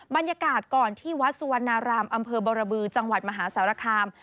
บรรยากาศก่อนที่วัดสุวรรณรามอำเภอบรบือจังหวัดมหาสารคาม